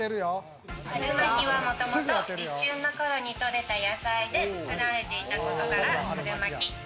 春巻きは、もともと立春の頃に採れた野菜で作られていたことから春巻き。